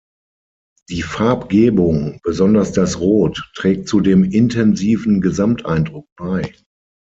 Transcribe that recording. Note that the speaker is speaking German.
Die Farbgebung, besonders das Rot, trägt zu dem intensiven Gesamteindruck bei.